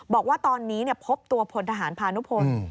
บอกว่าตอนนี้พบตัวพลทหารพานุพล